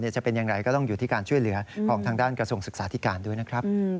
จะเป็นอย่างไรก็ต้องอยู่ที่การช่วยเหลือของทางด้านกระทรวงศึกษาธิการด้วยนะครับ